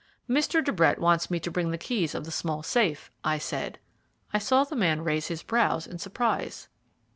"Mr. de Brett wants me to bring him the keys of the small safe," I said. I saw the man raise his brows in surprise.